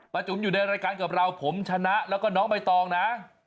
จุ๋มอยู่ในรายการกับเราผมชนะแล้วก็น้องใบตองนะ